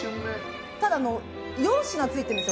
ただ、４品ついてるんです。